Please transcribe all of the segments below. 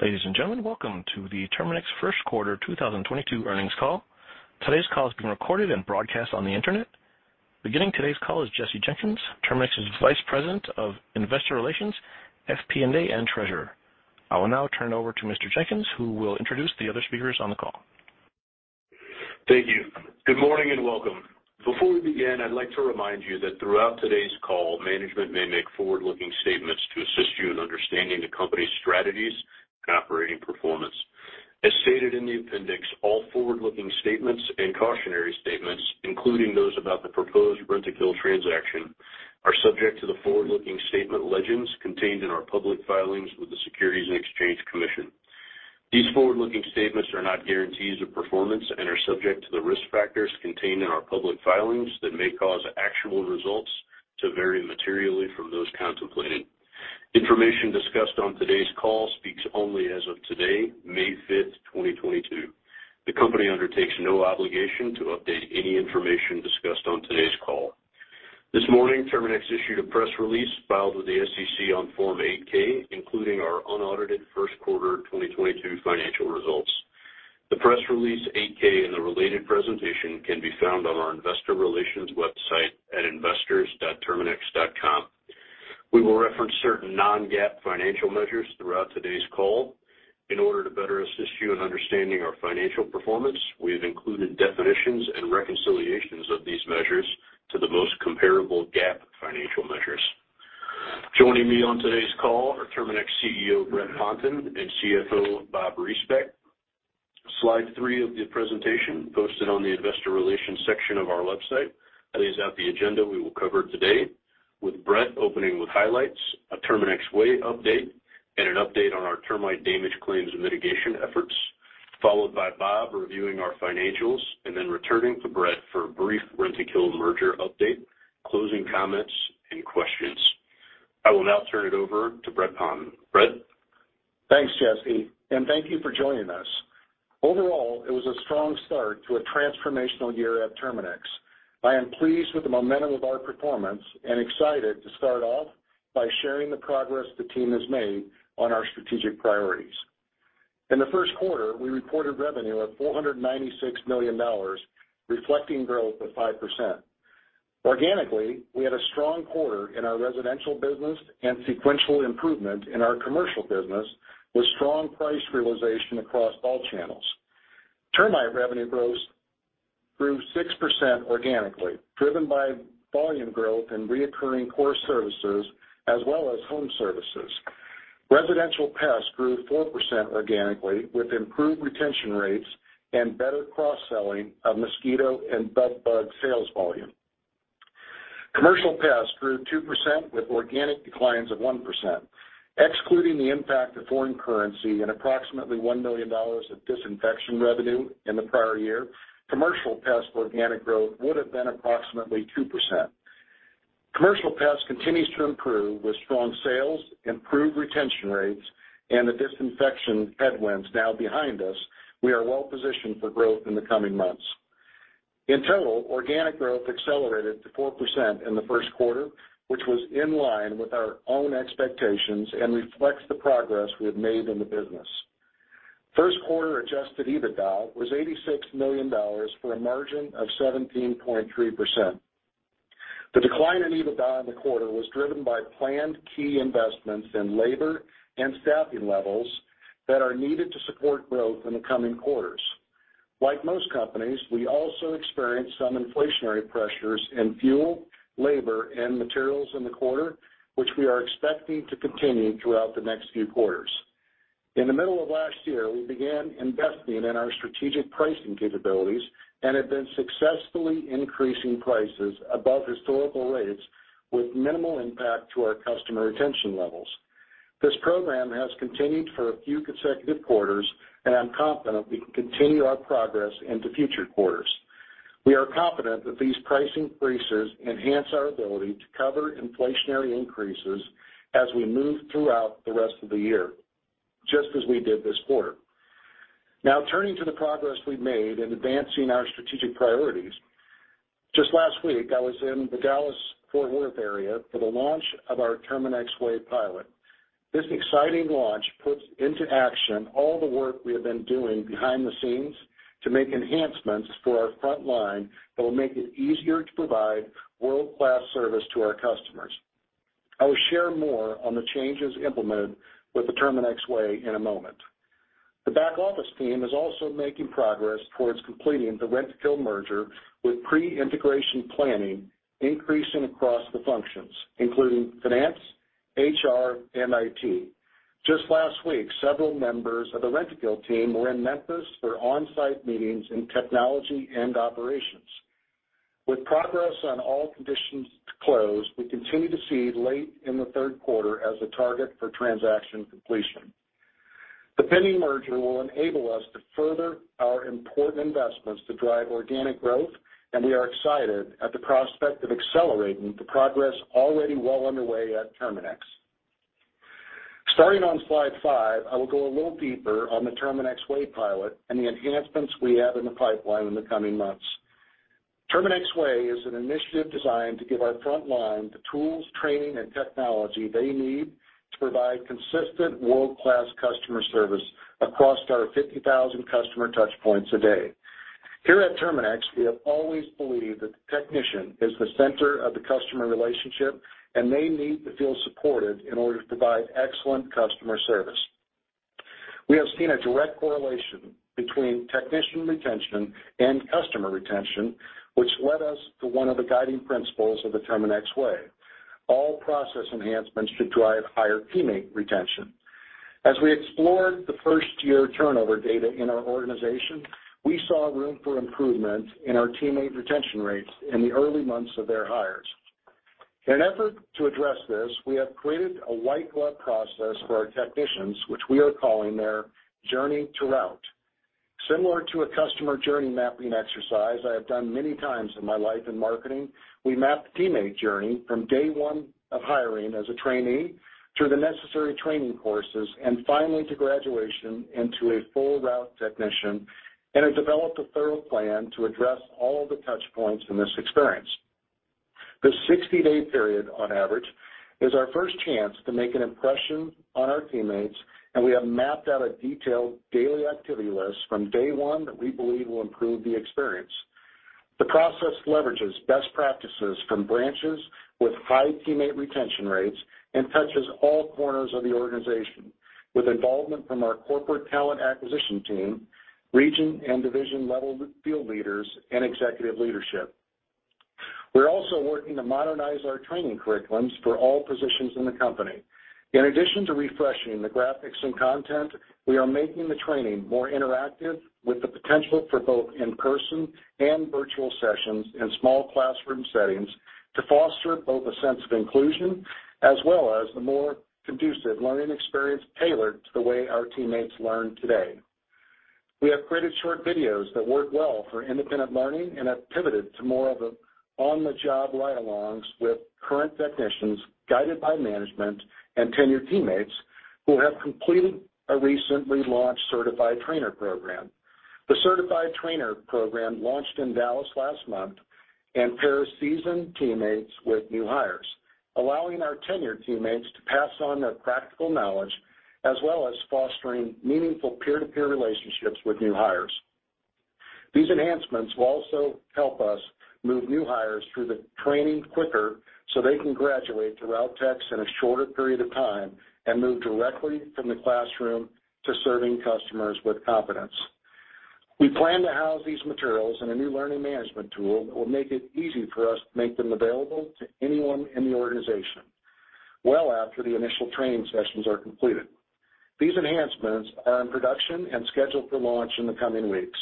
Ladies and gentlemen, welcome to the Terminix first quarter 2022 earnings call. Today's call is being recorded and broadcast on the Internet. Beginning today's call is Jesse Jenkins, Terminix's Vice President of Investor Relations, FP&A, and Treasurer. I will now turn it over to Mr. Jenkins, who will introduce the other speakers on the call. Thank you. Good morning and welcome. Before we begin, I'd like to remind you that throughout today's call, management may make forward-looking statements to assist you in understanding the company's strategies and operating performance. As stated in the appendix, all forward-looking statements and cautionary statements, including those about the proposed Rentokil transaction, are subject to the forward-looking statement legends contained in our public filings with the Securities and Exchange Commission. These forward-looking statements are not guarantees of performance and are subject to the risk factors contained in our public filings that may cause actual results to vary materially from those contemplated. Information discussed on today's call speaks only as of today, May fifth, 2022. The company undertakes no obligation to update any information discussed on today's call. This morning, Terminix issued a press release filed with the SEC on Form 8-K, including our unaudited first quarter 2022 financial results. The press release, 8-K, and the related presentation can be found on our investor relations website at investors.terminix.com. We will reference certain non-GAAP financial measures throughout today's call. In order to better assist you in understanding our financial performance, we have included definitions and reconciliations of these measures to the most comparable GAAP financial measures. Joining me on today's call are Terminix CEO Brett Ponton and CFO Bob Riesbeck. Slide three of the presentation, posted on the investor relations section of our website, lays out the agenda we will cover today, with Brett opening with highlights, a Terminix Way update, and an update on our termite damage claims mitigation efforts, followed by Bob reviewing our financials, and then returning to Brett for a brief Rentokil merger update, closing comments, and questions. I will now turn it over to Brett Ponton. Brett? Thanks, Jesse, and thank you for joining us. Overall, it was a strong start to a transformational year at Terminix. I am pleased with the momentum of our performance and excited to start off by sharing the progress the team has made on our strategic priorities. In the first quarter, we reported revenue of $496 million, reflecting growth of 5%. Organically, we had a strong quarter in our residential business and sequential improvement in our commercial business, with strong price realization across all channels. Termite revenue grew 6% organically, driven by volume growth in recurring core services as well as home services. Residential pest grew 4% organically, with improved retention rates and better cross-selling of mosquito and bed bug sales volume. Commercial pest grew 2% with organic declines of 1%. Excluding the impact of foreign currency and approximately $1 million of disinfection revenue in the prior year, commercial pest organic growth would have been approximately 2%. Commercial pest continues to improve with strong sales, improved retention rates, and the disinfection headwinds now behind us. We are well positioned for growth in the coming months. In total, organic growth accelerated to 4% in the first quarter, which was in line with our own expectations and reflects the progress we have made in the business. First quarter adjusted EBITDA was $86 million for a margin of 17.3%. The decline in EBITDA in the quarter was driven by planned key investments in labor and staffing levels that are needed to support growth in the coming quarters. Like most companies, we also experienced some inflationary pressures in fuel, labor, and materials in the quarter, which we are expecting to continue throughout the next few quarters. In the middle of last year, we began investing in our strategic pricing capabilities and have been successfully increasing prices above historical rates with minimal impact to our customer retention levels. This program has continued for a few consecutive quarters, and I'm confident we can continue our progress into future quarters. We are confident that these price increases enhance our ability to cover inflationary increases as we move throughout the rest of the year, just as we did this quarter. Now turning to the progress we've made in advancing our strategic priorities. Just last week, I was in the Dallas-Fort Worth area for the launch of our Terminix Way pilot. This exciting launch puts into action all the work we have been doing behind the scenes to make enhancements for our front line that will make it easier to provide world-class service to our customers. I will share more on the changes implemented with the Terminix Way in a moment. The back office team is also making progress towards completing the Rentokil merger with pre-integration planning increasing across the functions, including finance, HR, and IT. Just last week, several members of the Rentokil team were in Memphis for on-site meetings in technology and operations. With progress on all conditions to close, we continue to see late in the third quarter as a target for transaction completion. The pending merger will enable us to further our important investments to drive organic growth, and we are excited at the prospect of accelerating the progress already well underway at Terminix. Starting on slide five, I will go a little deeper on the Terminix Way pilot and the enhancements we have in the pipeline in the coming months. Terminix Way is an initiative designed to give our front line the tools, training, and technology they need to provide consistent world-class customer service across our 50,000 customer touch points a day. Here at Terminix, we have always believed that the technician is the center of the customer relationship, and they need to feel supported in order to provide excellent customer service. We have seen a direct correlation between technician retention and customer retention, which led us to one of the guiding principles of the Terminix Way. All process enhancements should drive higher teammate retention. As we explored the first-year turnover data in our organization, we saw room for improvement in our teammate retention rates in the early months of their hires. In an effort to address this, we have created a white-glove process for our technicians, which we are calling their Journey to Route. Similar to a customer journey mapping exercise I have done many times in my life in marketing, we mapped the teammate journey from day one of hiring as a trainee through the necessary training courses and finally to graduation into a full route technician and have developed a thorough plan to address all the touch points in this experience. The 60-day period on average is our first chance to make an impression on our teammates, and we have mapped out a detailed daily activity list from day one that we believe will improve the experience. The process leverages best practices from branches with high teammate retention rates and touches all corners of the organization with involvement from our corporate talent acquisition team, region and division-level field leaders, and executive leadership. We're also working to modernize our training curriculums for all positions in the company. In addition to refreshing the graphics and content, we are making the training more interactive with the potential for both in-person and virtual sessions in small classroom settings to foster both a sense of inclusion as well as the more conducive learning experience tailored to the way our teammates learn today. We have created short videos that work well for independent learning and have pivoted to more of an on-the-job ride-alongs with current technicians guided by management and tenured teammates who have completed a recently launched certified trainer program. The certified trainer program launched in Dallas last month and pairs seasoned teammates with new hires, allowing our tenured teammates to pass on their practical knowledge as well as fostering meaningful peer-to-peer relationships with new hires. These enhancements will also help us move new hires through the training quicker so they can graduate to route techs in a shorter period of time and move directly from the classroom to serving customers with confidence. We plan to house these materials in a new learning management tool that will make it easy for us to make them available to anyone in the organization well after the initial training sessions are completed. These enhancements are in production and scheduled for launch in the coming weeks.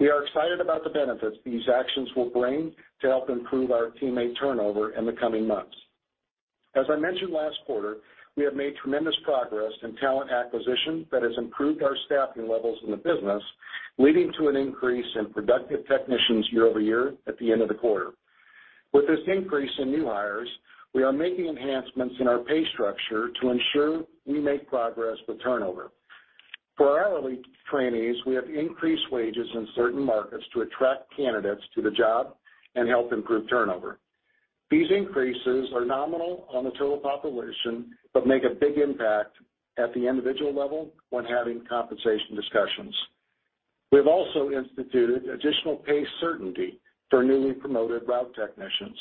We are excited about the benefits these actions will bring to help improve our teammate turnover in the coming months. As I mentioned last quarter, we have made tremendous progress in talent acquisition that has improved our staffing levels in the business, leading to an increase in productive technicians year over year at the end of the quarter. With this increase in new hires, we are making enhancements in our pay structure to ensure we make progress with turnover. For our hourly trainees, we have increased wages in certain markets to attract candidates to the job and help improve turnover. These increases are nominal on the total population but make a big impact at the individual level when having compensation discussions. We have also instituted additional pay certainty for newly promoted route technicians.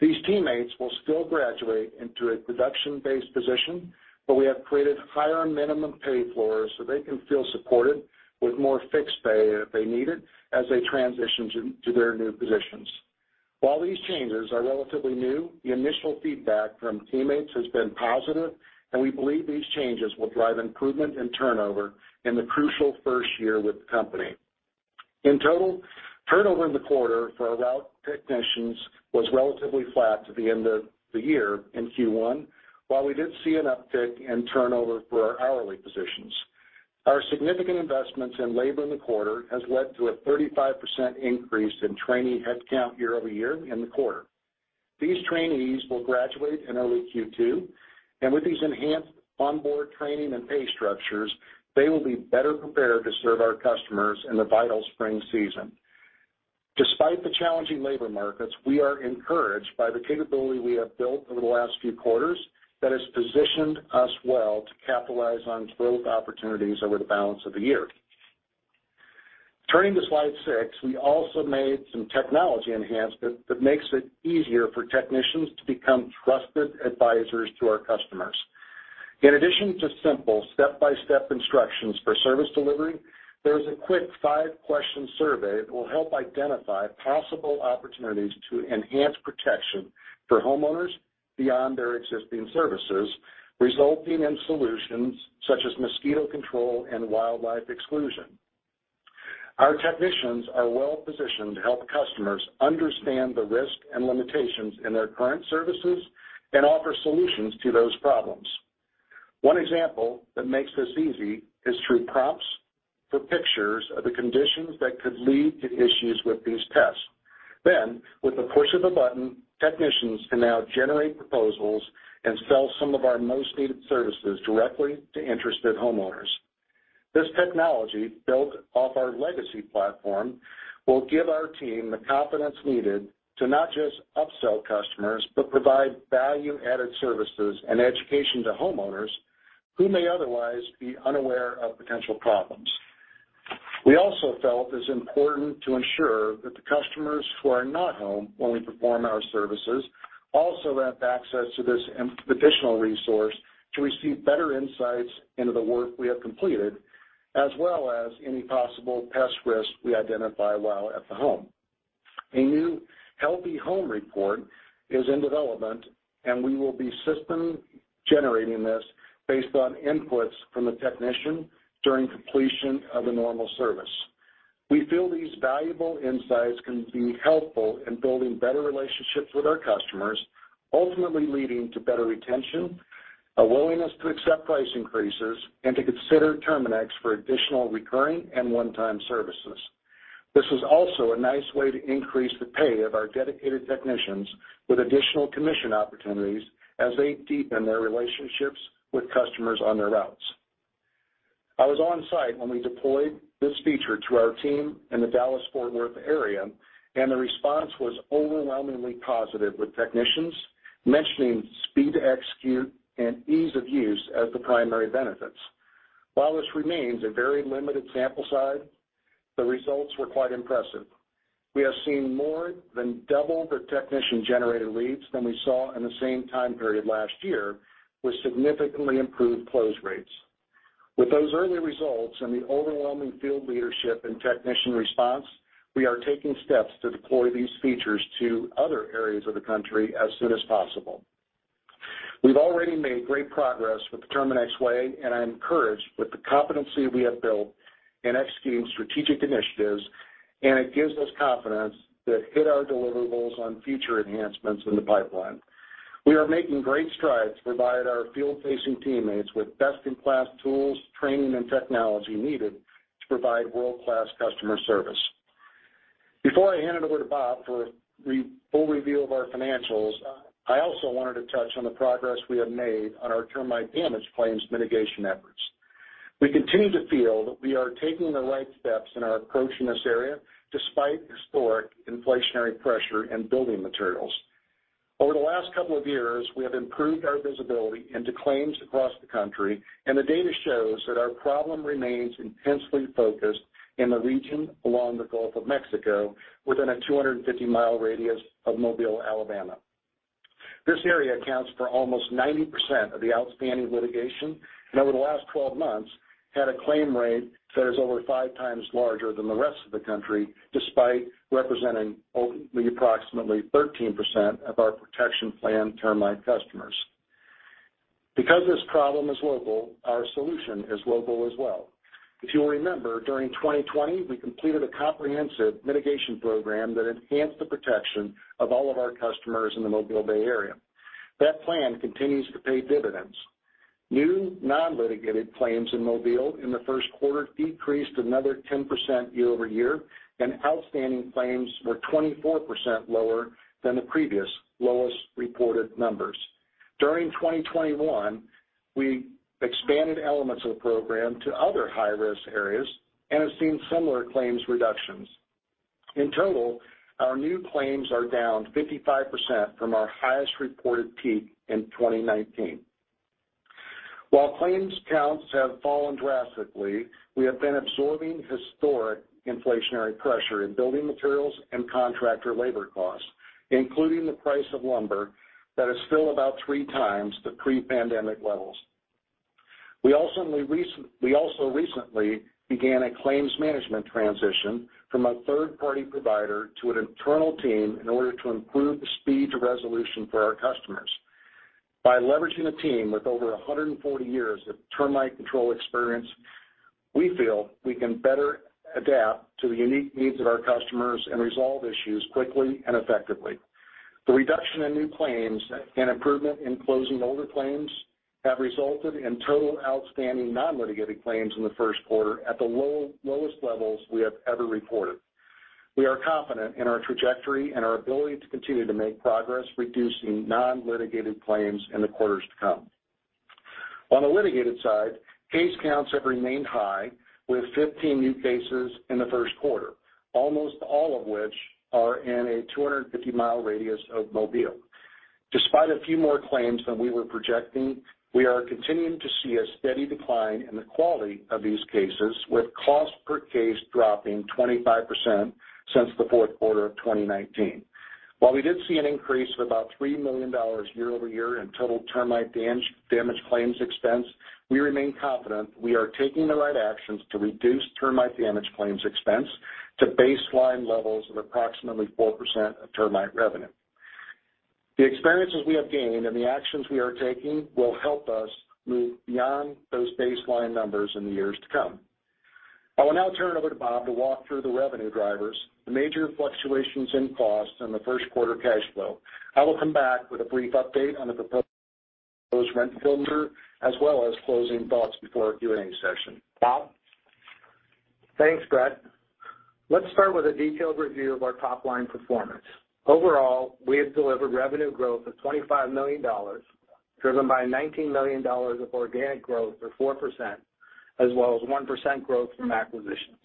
These teammates will still graduate into a production-based position, but we have created higher minimum pay floors, so they can feel supported with more fixed pay if they need it as they transition to their new positions. While these changes are relatively new, the initial feedback from teammates has been positive, and we believe these changes will drive improvement in turnover in the crucial first year with the company. In total, turnover in the quarter for our route technicians was relatively flat to the end of the year in Q1, while we did see an uptick in turnover for our hourly positions. Our significant investments in labor in the quarter has led to a 35% increase in trainee headcount year-over-year in the quarter. These trainees will graduate in early Q2, and with these enhanced onboard training and pay structures, they will be better prepared to serve our customers in the vital spring season. Despite the challenging labor markets, we are encouraged by the capability we have built over the last few quarters that has positioned us well to capitalize on growth opportunities over the balance of the year. Turning to slide six, we also made some technology enhancements that makes it easier for technicians to become trusted advisors to our customers. In addition to simple step-by-step instructions for service delivery, there is a quick five question survey that will help identify possible opportunities to enhance protection for homeowners beyond their existing services, resulting in solutions such as mosquito control and Wildlife Exclusion. Our technicians are well-positioned to help customers understand the risk and limitations in their current services and offer solutions to those problems. One example that makes this easy is through prompts for pictures of the conditions that could lead to issues with these pests. With the push of a button, technicians can now generate proposals and sell some of our most needed services directly to interested homeowners. This technology built off our legacy platform will give our team the confidence needed to not just upsell customers, but provide value-added services and education to homeowners who may otherwise be unaware of potential problems. We also felt it's important to ensure that the customers who are not home when we perform our services also have access to this additional resource to receive better insights into the work we have completed, as well as any possible pest risk we identify while at the home. A new healthy home report is in development, and we will be system generating this based on inputs from the technician during completion of a normal service. We feel these valuable insights can be helpful in building better relationships with our customers, ultimately leading to better retention, a willingness to accept price increases, and to consider Terminix for additional recurring and one-time services. This is also a nice way to increase the pay of our dedicated technicians with additional commission opportunities as they deepen their relationships with customers on their routes. I was on site when we deployed this feature to our team in the Dallas-Fort Worth area, and the response was overwhelmingly positive, with technicians mentioning speed to execute and ease of use as the primary benefits. While this remains a very limited sample size, the results were quite impressive. We have seen more than double the technician-generated leads than we saw in the same time period last year, with significantly improved close rates. With those early results and the overwhelming field leadership and technician response, we are taking steps to deploy these features to other areas of the country as soon as possible. We've already made great progress with the Terminix Way, and I'm encouraged with the competency we have built in executing strategic initiatives, and it gives us confidence to hit our deliverables on future enhancements in the pipeline. We are making great strides to provide our field-facing teammates with best-in-class tools, training, and technology needed to provide world-class customer service. Before I hand it over to Bob for the full review of our financials, I also wanted to touch on the progress we have made on our termite damage claims mitigation efforts. We continue to feel that we are taking the right steps in our approach in this area despite historic inflationary pressure in building materials. Over the last couple of years, we have improved our visibility into claims across the country, and the data shows that our problem remains intensely focused in the region along the Gulf of Mexico within a 250 mi radius of Mobile, Alabama. This area accounts for almost 90% of the outstanding litigation, and over the last 12 months had a claim rate that is over five times larger than the rest of the country, despite representing only approximately 13% of our protection plan termite customers. Because this problem is local, our solution is local as well. If you'll remember, during 2020 we completed a comprehensive mitigation program that enhanced the protection of all of our customers in the Mobile Bay Area. That plan continues to pay dividends. New non-litigated claims in Mobile in the first quarter decreased another 10% year over year, and outstanding claims were 24% lower than the previous lowest reported numbers. During 2021, we expanded elements of the program to other high-risk areas and have seen similar claims reductions. In total, our new claims are down 55% from our highest reported peak in 2019. While claims counts have fallen drastically, we have been absorbing historic inflationary pressure in building materials and contractor labor costs, including the price of lumber that is still about three times the pre-pandemic levels. We also recently began a claims management transition from a third-party provider to an internal team in order to improve the speed to resolution for our customers. By leveraging a team with over 140 years of termite control experience, we feel we can better adapt to the unique needs of our customers and resolve issues quickly and effectively. The reduction in new claims and improvement in closing older claims have resulted in total outstanding non-litigated claims in the first quarter at the lowest levels we have ever reported. We are confident in our trajectory and our ability to continue to make progress reducing non-litigated claims in the quarters to come. On the litigated side, case counts have remained high, with 15 new cases in the first quarter, almost all of which are in a 250 mi radius of Mobile. Despite a few more claims than we were projecting, we are continuing to see a steady decline in the quality of these cases, with cost per case dropping 25% since the fourth quarter of 2019. While we did see an increase of about $3 million year-over-year in total termite damage claims expense, we remain confident we are taking the right actions to reduce termite damage claims expense to baseline levels of approximately 4% of termite revenue. The experiences we have gained and the actions we are taking will help us move beyond those baseline numbers in the years to come. I will now turn it over to Bob to walk through the revenue drivers, the major fluctuations in costs, and the first quarter cash flow. I will come back with a brief update on the proposed Rentokil as well as closing thoughts before our Q&A session. Bob? Thanks, Brett. Let's start with a detailed review of our top-line performance. Overall, we have delivered revenue growth of $25 million, driven by $19 million of organic growth or 4% as well as 1% growth from acquisitions.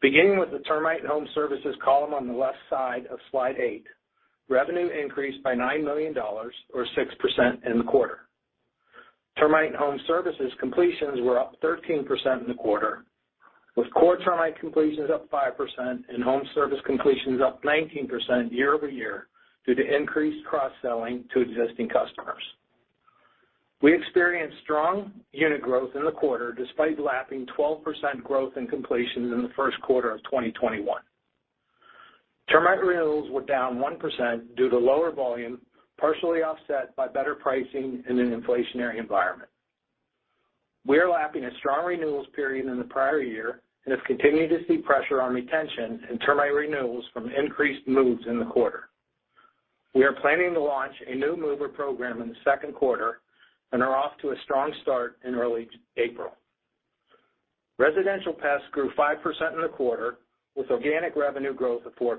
Beginning with the termite and home services column on the left side of slide eight, revenue increased by $9 million or 6% in the quarter. Termite and home services completions were up 13% in the quarter, with core termite completions up 5% and home service completions up 19% year-over-year due to increased cross-selling to existing customers. We experienced strong unit growth in the quarter despite lapping 12% growth in completions in the first quarter of 2021. Termite renewals were down 1% due to lower volume, partially offset by better pricing in an inflationary environment. We are lapping a strong renewals period in the prior year and have continued to see pressure on retention and termite renewals from increased moves in the quarter. We are planning to launch a new mover program in the second quarter and are off to a strong start in early April. Residential pest grew 5% in the quarter, with organic revenue growth of 4%.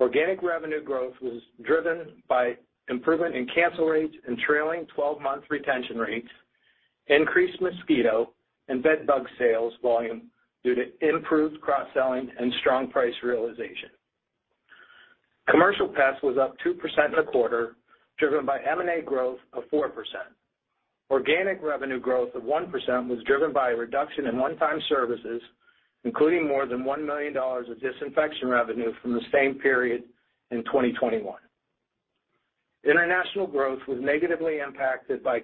Organic revenue growth was driven by improvement in cancel rates and trailing twelve-month retention rates, increased mosquito and bedbug sales volume due to improved cross-selling and strong price realization. Commercial pest was up 2% in the quarter, driven by M&A growth of 4%. Organic revenue growth of 1% was driven by a reduction in one-time services, including more than $1 million of disinfection revenue from the same period in 2021. International growth was negatively impacted by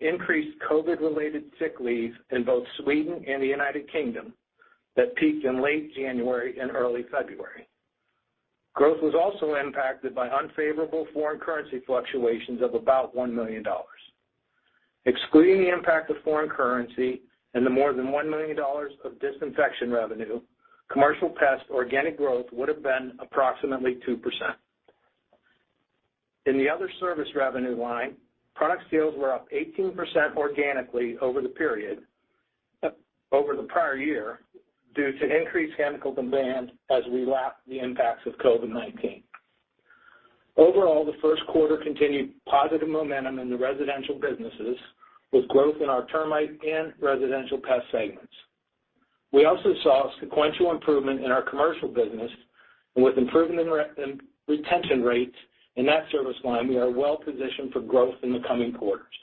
increased COVID-related sick leave in both Sweden and the United Kingdom that peaked in late January and early February. Growth was also impacted by unfavorable foreign currency fluctuations of about $1 million. Excluding the impact of foreign currency and the more than $1 million of disinfection revenue, commercial pest organic growth would have been approximately 2%. In the other service revenue line, product sales were up 18% organically over the prior year due to increased chemical demand as we lap the impacts of COVID-19. Overall, the first quarter continued positive momentum in the residential businesses, with growth in our termite and residential pest segments. We also saw sequential improvement in our commercial business, and with improvement in retention rates in that service line, we are well positioned for growth in the coming quarters.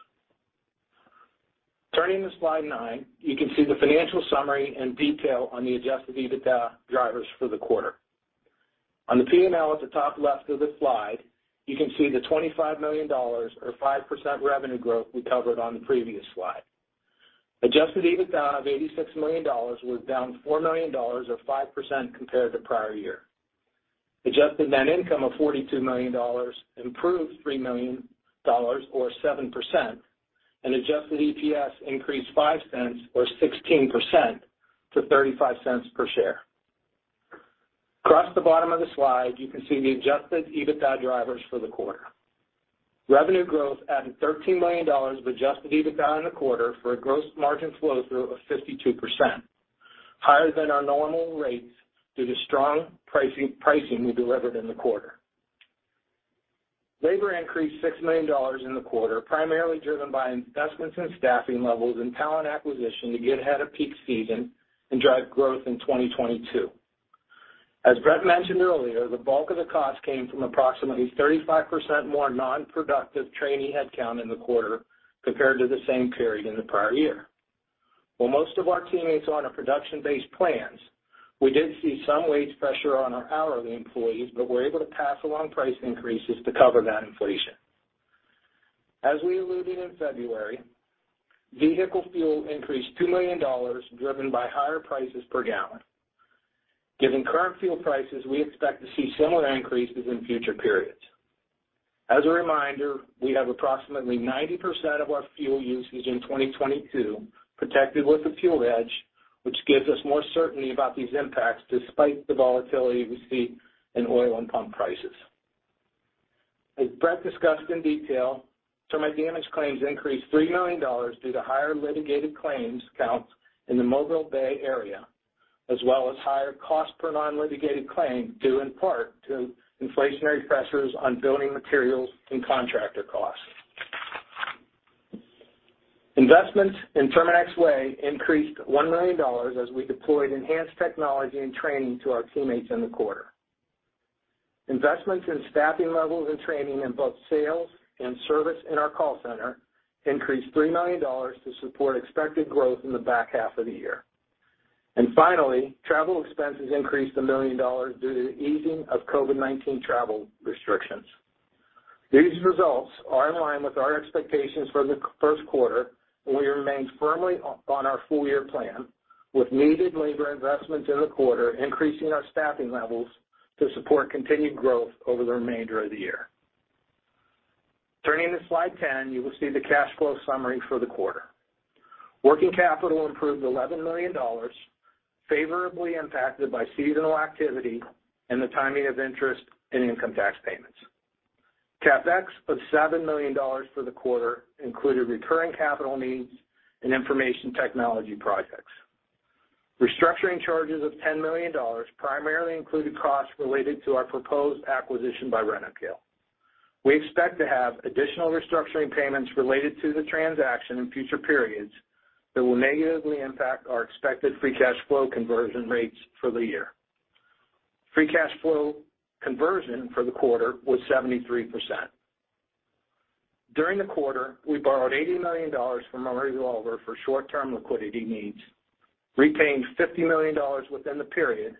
Turning to slide nine, you can see the financial summary and detail on the adjusted EBITDA drivers for the quarter. On the P&L at the top left of the slide, you can see the $25 million or 5% revenue growth we covered on the previous slide. Adjusted EBITDA of $86 million was down $4 million or 5% compared to prior year. Adjusted net income of $42 million improved $3 million or 7%. Adjusted EPS increased $0.05 or 16% to $0.35 per share. Across the bottom of the slide, you can see the adjusted EBITDA drivers for the quarter. Revenue growth added $13 million of adjusted EBITDA in the quarter for a gross margin flow-through of 52%, higher than our normal rates due to strong pricing we delivered in the quarter. Labor increased $6 million in the quarter, primarily driven by investments in staffing levels and talent acquisition to get ahead of peak season and drive growth in 2022. As Brett mentioned earlier, the bulk of the cost came from approximately 35% more non-productive trainee headcount in the quarter compared to the same period in the prior year. While most of our teammates are on a production-based plans, we did see some wage pressure on our hourly employees, but we're able to pass along price increases to cover that inflation. As we alluded in February, vehicle fuel increased $2 million, driven by higher prices per gallon. Given current fuel prices, we expect to see similar increases in future periods. As a reminder, we have approximately 90% of our fuel usage in 2022 protected with the fuel hedge, which gives us more certainty about these impacts despite the volatility we see in oil and pump prices. As Brett discussed in detail, termite damage claims increased $3 million due to higher litigated claims counts in the Mobile Bay area, as well as higher cost per non-litigated claim, due in part to inflationary pressures on building materials and contractor costs. Investments in Terminix Way increased $1 million as we deployed enhanced technology and training to our teammates in the quarter. Investments in staffing levels and training in both sales and service in our call center increased $3 million to support expected growth in the back half of the year. Finally, travel expenses increased $1 million due to the easing of COVID-19 travel restrictions. These results are in line with our expectations for the first quarter, and we remain firmly on our full year plan, with needed labor investments in the quarter, increasing our staffing levels to support continued growth over the remainder of the year. Turning to slide 10, you will see the cash flow summary for the quarter. Working capital improved $11 million, favorably impacted by seasonal activity and the timing of interest and income tax payments. CapEx of $7 million for the quarter included recurring capital needs and information technology projects. Restructuring charges of $10 million primarily included costs related to our proposed acquisition by Rentokil. We expect to have additional restructuring payments related to the transaction in future periods that will negatively impact our expected free cash flow conversion rates for the year. Free cash flow conversion for the quarter was 73%. During the quarter, we borrowed $80 million from our revolver for short-term liquidity needs, repaid $50 million within the period,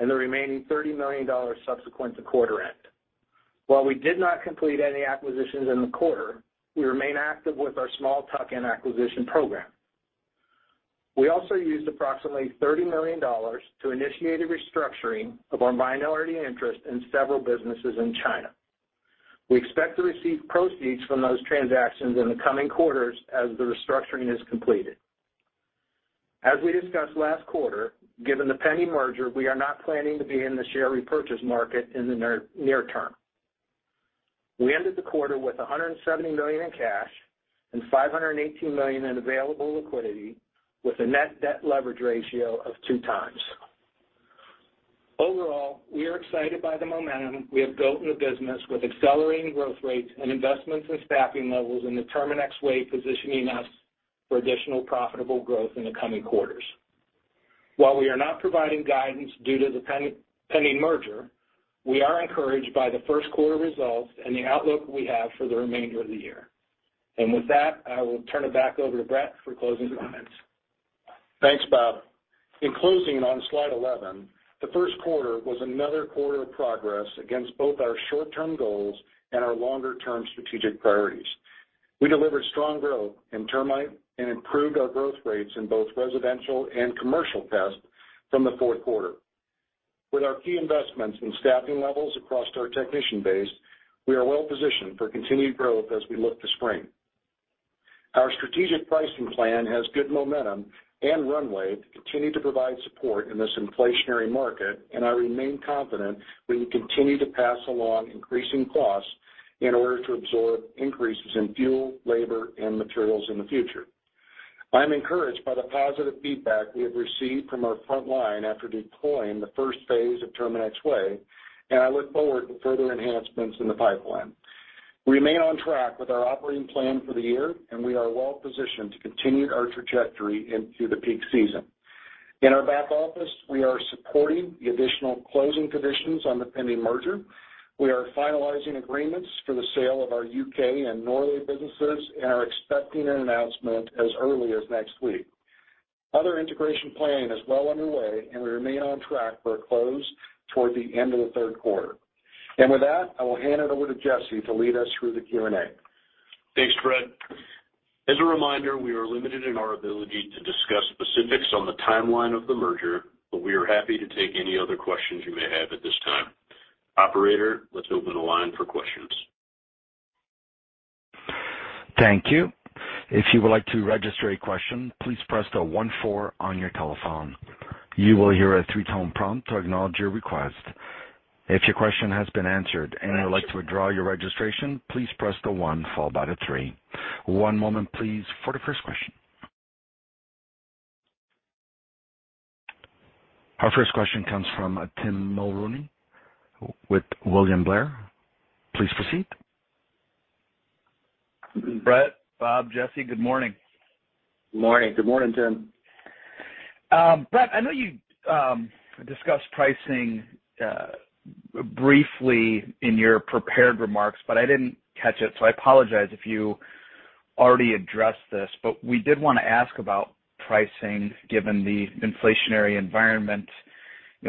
and the remaining $30 million subsequent to quarter end. While we did not complete any acquisitions in the quarter, we remain active with our small tuck-in acquisition program. We also used approximately $30 million to initiate a restructuring of our minority interest in several businesses in China. We expect to receive proceeds from those transactions in the coming quarters as the restructuring is completed. As we discussed last quarter, given the pending merger, we are not planning to be in the share repurchase market in the near term. We ended the quarter with 170 million in cash and 518 million in available liquidity with a net debt leverage ratio of 2x. Overall, we are excited by the momentum we have built in the business with accelerating growth rates and investments in staffing levels in the Terminix Way, positioning us for additional profitable growth in the coming quarters. While we are not providing guidance due to the pending merger, we are encouraged by the first quarter results and the outlook we have for the remainder of the year. With that, I will turn it back over to Brett for closing comments. Thanks, Bob. In closing, on slide 11, the first quarter was another quarter of progress against both our short-term goals and our longer-term strategic priorities. We delivered strong growth in termite and improved our growth rates in both residential and commercial pest from the fourth quarter. With our key investments in staffing levels across our technician base, we are well positioned for continued growth as we look to spring. Our strategic pricing plan has good momentum and runway to continue to provide support in this inflationary market, and I remain confident we will continue to pass along increasing costs in order to absorb increases in fuel, labor, and materials in the future. I'm encouraged by the positive feedback we have received from our front line after deploying the first phase of Terminix Way, and I look forward to further enhancements in the pipeline. We remain on track with our operating plan for the year, and we are well positioned to continue our trajectory into the peak season. In our back office, we are supporting the additional closing conditions on the pending merger. We are finalizing agreements for the sale of our UK and Norway businesses and are expecting an announcement as early as next week. Other integration planning is well underway, and we remain on track for a close toward the end of the third quarter. With that, I will hand it over to Jesse to lead us through the Q&A. Thanks, Brett. As a reminder, we are limited in our ability to discuss specifics on the timeline of the merger, but we are happy to take any other questions you may have at this time. Operator, let's open the line for questions. Thank you. If you would like to register a question, please press the one four on your telephone. You will hear a two-tone prompt to acknowledge your request. If your question has been answered and you would like to withdraw your registration, please press the one followed by the three. One moment please for the first question. Our first question comes from Tim Mulrooney with William Blair. Please proceed. Brett, Bob, Jesse, good morning. Morning. Good morning, Tim. Brett, I know you discussed pricing briefly in your prepared remarks, but I didn't catch it, so I apologize if you already addressed this, but we did wanna ask about pricing given the inflationary environment.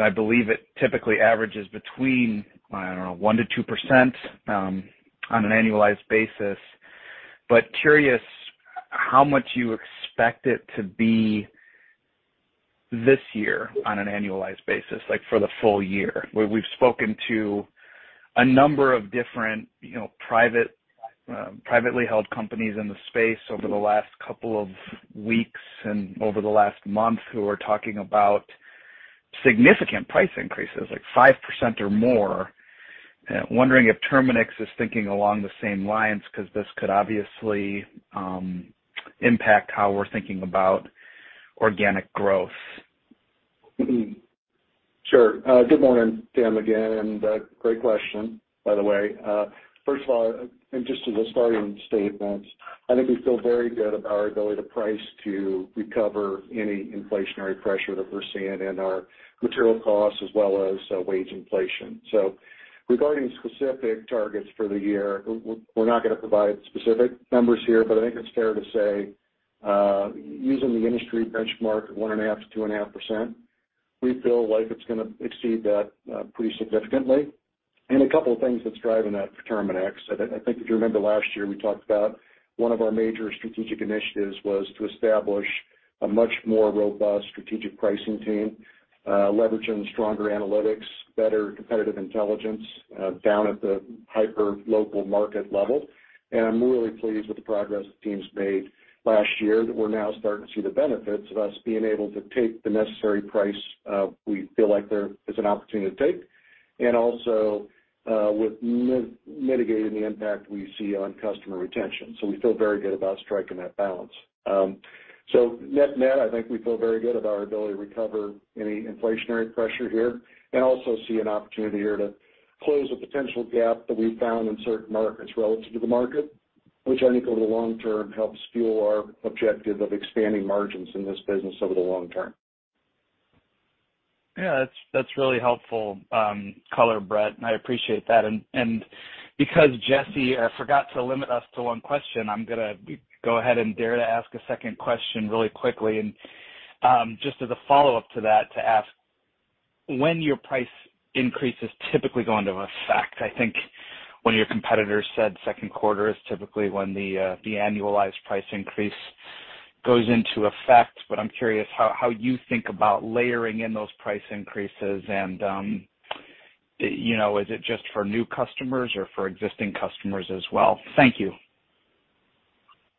I believe it typically averages between, I don't know, 1%-2% on an annualized basis. Curious how much you expect it to be this year on an annualized basis, like for the full year. We've spoken to a number of different, you know, private, privately held companies in the space over the last couple of weeks and over the last month who are talking about significant price increases, like 5% or more. Wondering if Terminix is thinking along the same lines, 'cause this could obviously impact how we're thinking about organic growth. Sure. Good morning, Tim, again, and, great question, by the way. First of all, just as a starting statement, I think we feel very good about our ability to price to recover any inflationary pressure that we're seeing in our material costs as well as wage inflation. Regarding specific targets for the year, we're not gonna provide specific numbers here, but I think it's fair to say, using the industry benchmark of 1.5%-2.5%, we feel like it's gonna exceed that, pretty significantly. A couple of things that's driving that for Terminix, I think if you remember last year, we talked about one of our major strategic initiatives was to establish a much more robust strategic pricing team, leveraging stronger analytics, better competitive intelligence, down at the hyperlocal market level. I'm really pleased with the progress the team's made last year, that we're now starting to see the benefits of us being able to take the necessary price. We feel like there is an opportunity to take. Also, with mitigating the impact we see on customer retention. We feel very good about striking that balance. Net-net, I think we feel very good about our ability to recover any inflationary pressure here and also see an opportunity here to close a potential gap that we found in certain markets relative to the market, which I think over the long term helps fuel our objective of expanding margins in this business over the long term. Yeah, that's really helpful, color, Brett, and I appreciate that. Because Jesse forgot to limit us to one question, I'm gonna go ahead and dare to ask a second question really quickly. Just as a follow-up to that to ask, when your price increases typically go into effect. I think one of your competitors said second quarter is typically when the annualized price increase goes into effect, but I'm curious how you think about layering in those price increases and, you know, is it just for new customers or for existing customers as well? Thank you.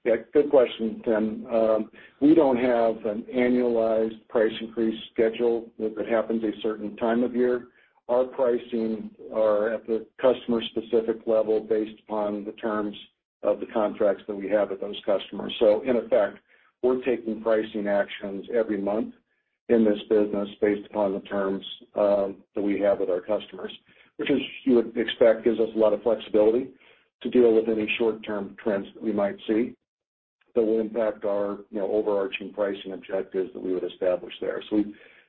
Yeah, good question, Tim. We don't have an annualized price increase schedule that happens a certain time of year. Our pricing are at the customer-specific level based upon the terms of the contracts that we have with those customers. In effect, we're taking pricing actions every month in this business based upon the terms that we have with our customers, which as you would expect, gives us a lot of flexibility to deal with any short-term trends that we might see that will impact our, you know, overarching pricing objectives that we would establish there.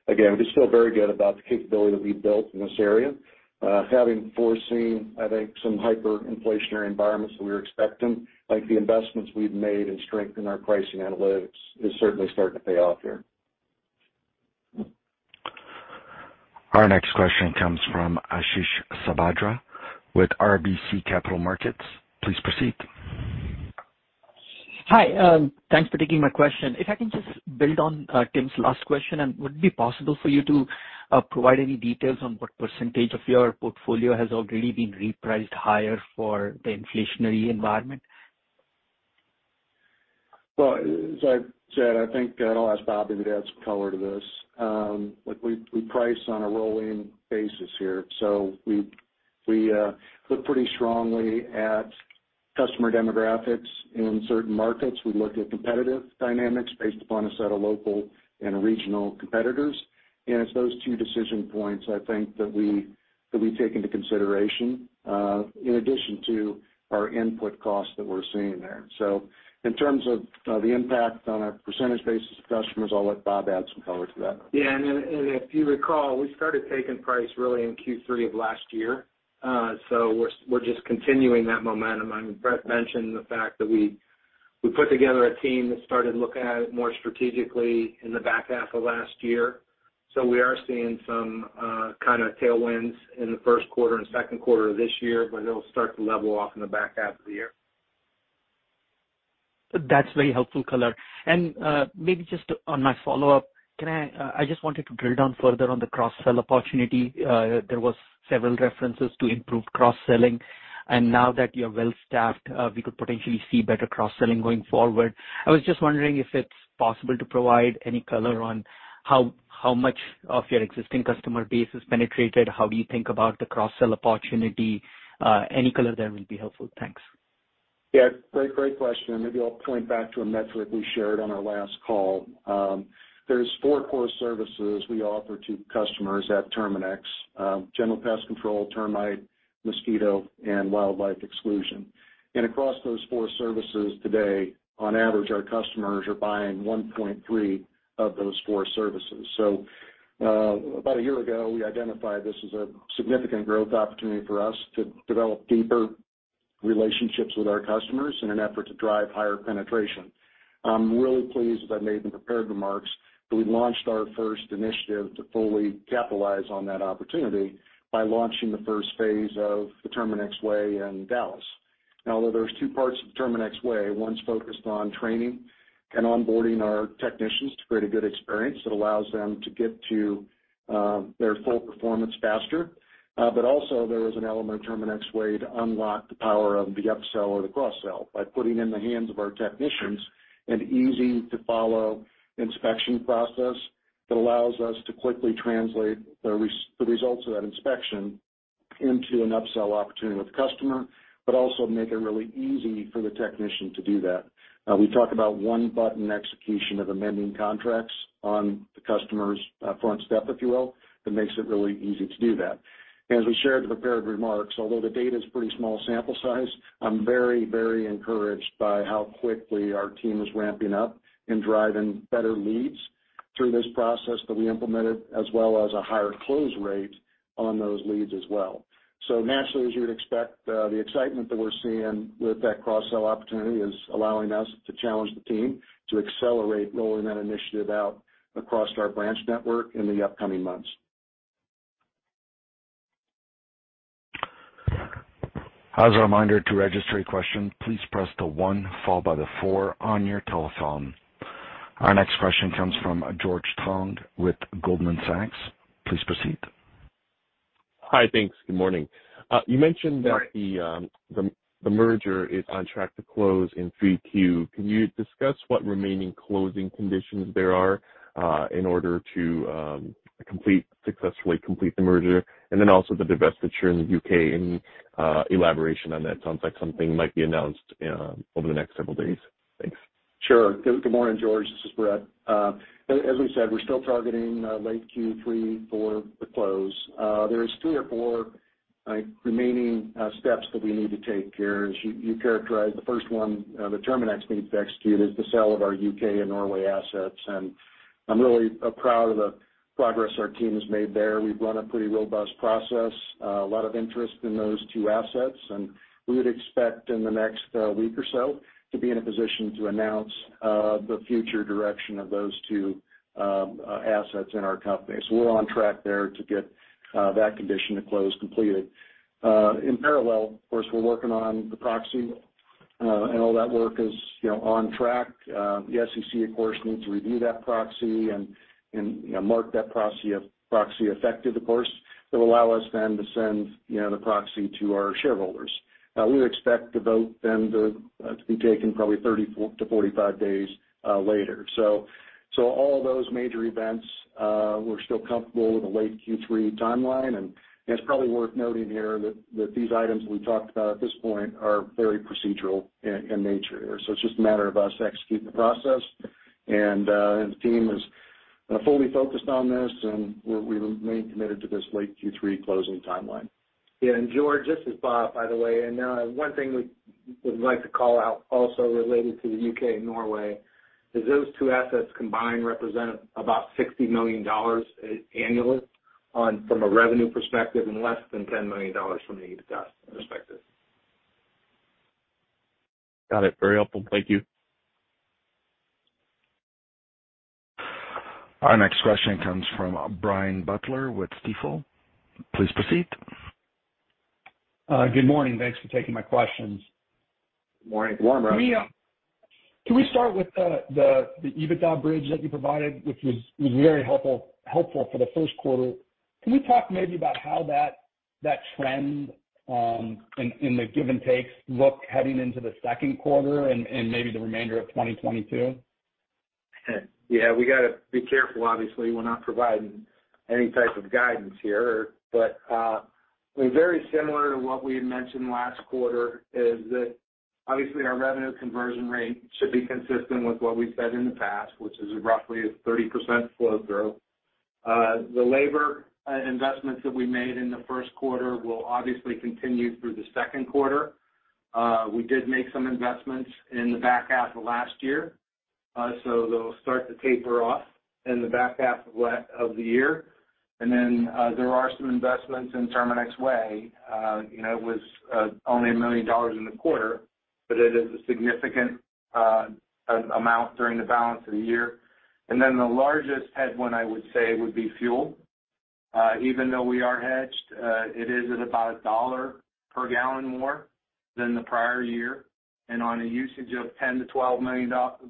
Again, we just feel very good about the capability that we've built in this area. Having foreseen, I think, some hyperinflationary environments that we were expecting, like the investments we've made and strengthened our pricing analytics is certainly starting to pay off here. Our next question comes from Ashish Sabadra with RBC Capital Markets. Please proceed. Hi, thanks for taking my question. If I can just build on Tim's last question, and would it be possible for you to provide any details on what percentage of your portfolio has already been repriced higher for the inflationary environment? Well, as I said, I think, and I'll ask Bobby to add some color to this. Look, we price on a rolling basis here. We look pretty strongly at customer demographics in certain markets. We look at competitive dynamics based upon a set of local and regional competitors. It's those two decision points, I think, that we take into consideration in addition to our input costs that we're seeing there. In terms of the impact on a percentage basis of customers, I'll let Bob add some color to that. Yeah. And if you recall, we started taking price really in Q3 of last year. We're just continuing that momentum. I mean, Brett mentioned the fact that we put together a team that started looking at it more strategically in the back half of last year. We are seeing some kind of tailwinds in the first quarter and second quarter of this year, but it'll start to level off in the back half of the year. That's very helpful color. Maybe just on my follow-up, I just wanted to drill down further on the cross-sell opportunity. There was several references to improved cross-selling, and now that you're well-staffed, we could potentially see better cross-selling going forward. I was just wondering if it's possible to provide any color on how much of your existing customer base is penetrated. How do you think about the cross-sell opportunity? Any color there will be helpful. Thanks. Yeah. Great question. Maybe I'll point back to a metric we shared on our last call. There's four core services we offer to customers at Terminix: general pest control, termite, mosquito, and Wildlife Exclusion. Across those four services today, on average, our customers are buying 1.3 of those four services. About a year ago, we identified this as a significant growth opportunity for us to develop deeper relationships with our customers in an effort to drive higher penetration. I'm really pleased, as I made in the prepared remarks, that we launched our first initiative to fully capitalize on that opportunity by launching the first phase of the Terminix Way in Dallas. Now, there's two parts to the Terminix Way. One's focused on training and onboarding our technicians to create a good experience that allows them to get to their full performance faster. There is an element of Terminix Way to unlock the power of the upsell or the cross-sell by putting in the hands of our technicians an easy-to-follow inspection process that allows us to quickly translate the results of that inspection into an upsell opportunity with the customer, but also make it really easy for the technician to do that. We talk about one-button execution of amending contracts on the customer's front step, if you will. That makes it really easy to do that. As we shared in the prepared remarks, although the data is a pretty small sample size, I'm very, very encouraged by how quickly our team is ramping up and driving better leads through this process that we implemented, as well as a higher close rate on those leads as well. Naturally, as you would expect, the excitement that we're seeing with that cross-sell opportunity is allowing us to challenge the team to accelerate rolling that initiative out across our branch network in the upcoming months. As a reminder to register a question, please press the one followed by the four on your telephone. Our next question comes from George Tong with Goldman Sachs. Please proceed. Hi. Thanks. Good morning. You mentioned that the merger is on track to close in Q3. Can you discuss what remaining closing conditions there are in order to successfully complete the merger? Also the divestiture in the UK, any elaboration on that? Sounds like something might be announced over the next several days. Thanks. Sure. Good morning, George. This is Brett. As we said, we're still targeting late Q3 for the close. There is 3 or 4, I think, remaining steps that we need to take here. As you characterized the first one, the Terminix needs to execute is the sale of our UK and Norway assets. I'm really proud of the progress our team has made there. We've run a pretty robust process, a lot of interest in those two assets. We would expect in the next week or so to be in a position to announce the future direction of those two assets in our company. We're on track there to get that condition to close completely. In parallel, of course, we're working on the proxy, and all that work is, you know, on track. The SEC, of course, needs to review that proxy and, you know, mark that proxy effective, of course. That will allow us then to send, you know, the proxy to our shareholders. We would expect the vote then to be taken probably 34-45 days later. All those major events, we're still comfortable with a late Q3 timeline. It's probably worth noting here that these items we talked about at this point are very procedural in nature. It's just a matter of us executing the process. The team is fully focused on this, and we remain committed to this late Q3 closing timeline. Yeah. George, this is Bob, by the way. One thing we would like to call out also related to the UK and Norway is those two assets combined represent about $60 million annually from a revenue perspective and less than $10 million from an EBITDA perspective. Got it. Very helpful. Thank you. Our next question comes from Brian Butler with Stifel. Please proceed. Good morning. Thanks for taking my questions. Morning. Good morning, Brian. Can we start with the EBITDA bridge that you provided, which was very helpful for the first quarter? Can you talk maybe about how that trend in the give and takes look heading into the second quarter and maybe the remainder of 2022? Yeah, we gotta be careful, obviously. We're not providing any type of guidance here. Very similar to what we had mentioned last quarter is that obviously our revenue conversion rate should be consistent with what we said in the past, which is roughly a 30% flow through. The labor investments that we made in the first quarter will obviously continue through the second quarter. We did make some investments in the back half of last year. They'll start to taper off in the back half of the year. There are some investments in Terminix Way, you know, it was only a $1 million in the quarter, but it is a significant amount during the balance of the year. The largest headwind, I would say, would be fuel. Even though we are hedged, it is at about $1 per gallon more than the prior year. On a usage of 10-12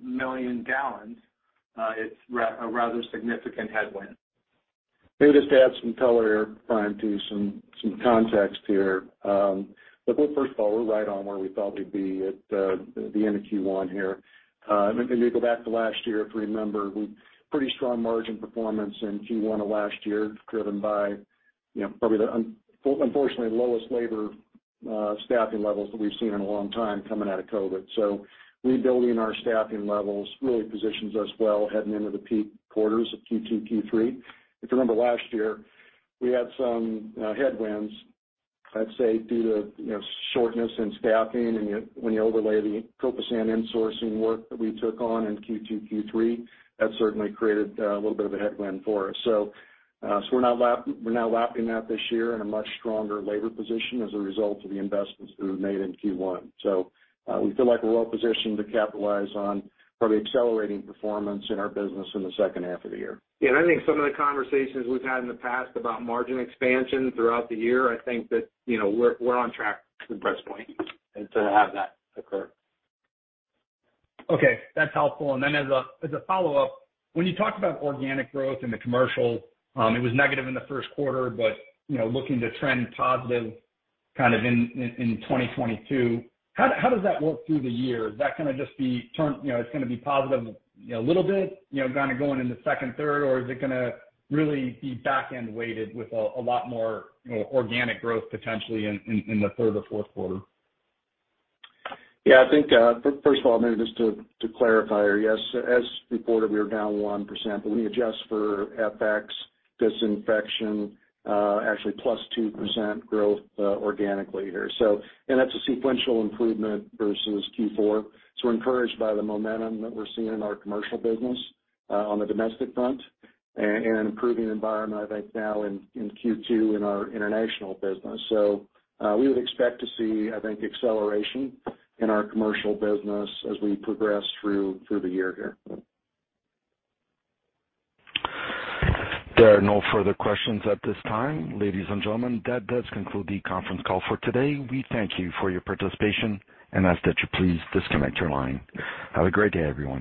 million gallons, it's rather significant headwind. Maybe just to add some color here, Brian, to some context here. Look, first of all, we're right on where we thought we'd be at the end of Q1 here. If you go back to last year, if we remember, we had pretty strong margin performance in Q1 of last year, driven by, you know, probably the unfortunately lowest labor staffing levels that we've seen in a long time coming out of COVID-19. Rebuilding our staffing levels really positions us well heading into the peak quarters of Q2, Q3. If you remember last year, we had some headwinds, I'd say due to, you know, shortness in staffing and when you overlay the Copesan insourcing work that we took on in Q2, Q3, that certainly created a little bit of a headwind for us. We're now lapping that this year in a much stronger labor position as a result of the investments that we've made in Q1. We feel like we're well positioned to capitalize on probably accelerating performance in our business in the second half of the year. Yeah, I think some of the conversations we've had in the past about margin expansion throughout the year, I think that, you know, we're on track to this point and to have that occur. Okay, that's helpful. Then as a follow-up, when you talk about organic growth in the commercial, it was negative in the first quarter, but you know, looking to trend positive kind of in 2022. How does that work through the year? Is that gonna just be you know, it's gonna be positive, you know, a little bit, you know, kinda going in the second third? Or is it gonna really be back end weighted with a lot more, you know, organic growth potentially in the third or fourth quarter? Yeah, I think, first of all, maybe just to clarify here. Yes, as reported, we were down 1%, but when you adjust for FX dispositions, actually plus 2% growth, organically here. That's a sequential improvement versus Q4. We're encouraged by the momentum that we're seeing in our commercial business, on the domestic front, and an improving environment, I think now in Q2 in our international business. We would expect to see, I think, acceleration in our commercial business as we progress through the year here. There are no further questions at this time. Ladies and gentlemen, that does conclude the conference call for today. We thank you for your participation and ask that you please disconnect your line. Have a great day, everyone.